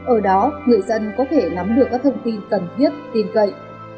ở đó người dân có thể nắm được các thông tin cần thiết tin cậy